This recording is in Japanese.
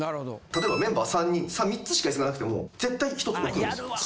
例えばメンバー３人３つしかイスがなくても絶対１つ置くんです。